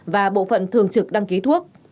và bộ phận thường trực đăng ký thuốc